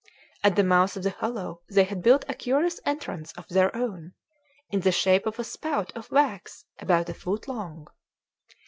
At the mouth of the hollow they had built a curious entrance of their own, in the shape of a spout of wax about a foot long.